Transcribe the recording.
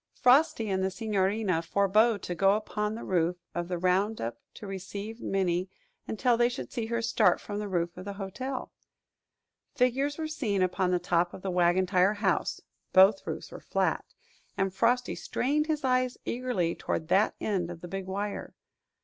Frosty and the Signorina forbore to go upon the roof of the Roundup to receive Minnie, until they should see her start from the roof of the hotel. Figures were seen upon the top of the Wagon Tire House (both roofs were flat) and Frosty strained his eyes eagerly toward that end of the big wire.